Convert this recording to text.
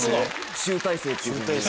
集大成っていう。